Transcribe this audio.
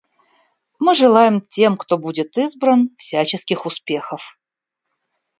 Мы желаем тем, кто будет избран, всяческих успехов.